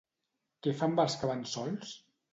Què fa amb els que van sols?